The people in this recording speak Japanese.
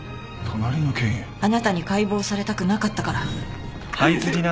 あなたに解剖されたくなかったから。